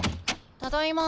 ただいま。